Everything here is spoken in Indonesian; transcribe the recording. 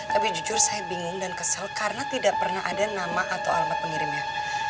tapi jujur saya bingung dan kesel karena tidak pernah ada nama atau alamat pengirimnya